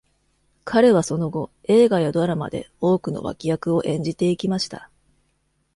彼はその後、映画やドラマで多くの脇役を演じていきました。